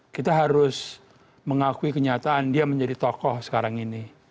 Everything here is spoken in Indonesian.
kita harus mengakui kenyataan dia menjadi tokoh sekarang ini